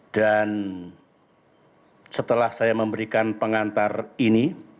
dan setelah saya memberikan pengantar ini